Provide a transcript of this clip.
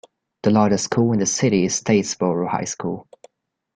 The largest school in the city is Statesboro High School.